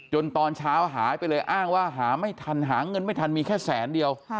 ตอนเช้าหายไปเลยอ้างว่าหาไม่ทันหาเงินไม่ทันมีแค่แสนเดียว